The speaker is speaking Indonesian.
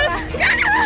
gak ada apa